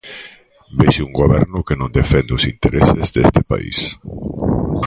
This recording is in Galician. Vexo un goberno que non defende os intereses deste país.